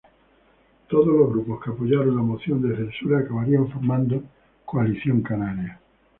Todos los grupos que apoyaron la moción de censura acabarían formando Coalición Canaria.